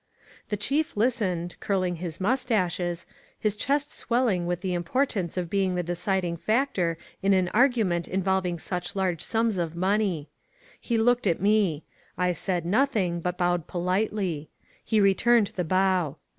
The chief listened, curling his mustaches, his chest swelling with the importance of being the deciding fac tor in an argument involving such large sums of money. He looked at me. I said nothing, but bowed politely. He returned the bow.